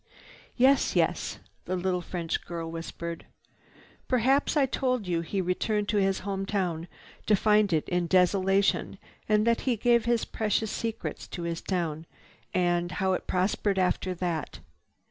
"Yes—yes," the little French girl whispered. "Perhaps I told you he returned to his home town to find it in desolation and that he gave his precious secrets to his town, and how it prospered after that."